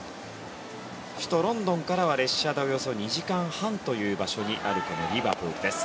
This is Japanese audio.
首都ロンドンからは列車でおよそ２時間半という場所にこのリバプールです。